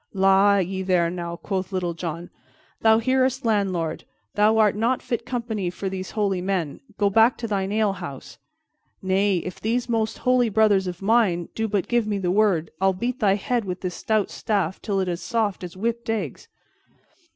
"La, ye there now!" quoth Little John. "Thou hearest, landlord; thou art not fit company for these holy men; go back to thine alehouse. Nay, if these most holy brothers of mine do but give me the word, I'll beat thy head with this stout staff till it is as soft as whipped eggs."